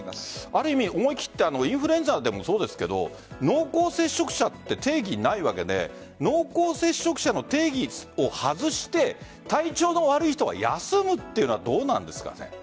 ある意味思い切ったインフルエンザでもそうですが濃厚接触者は定義、ないわけで濃厚接触者の定義を外して体調の悪い人は休むというのはどうなんですか？